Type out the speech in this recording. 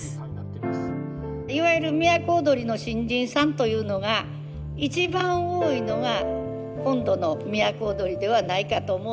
いわゆる都をどりの新人さんというのが一番多いのが今度の都をどりではないかと思うんです。